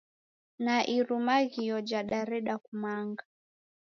Na Irumaghio jadareda kumanga